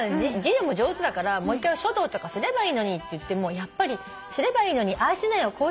字も上手だからもう一回書道とかすればいいのにって言ってもやっぱりすればいいのにああしなよ